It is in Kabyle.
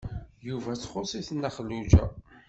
Yuba ad ttxuṣ-it Nna Xelluǧa.